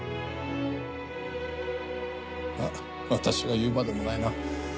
まぁ私が言うまでもないな。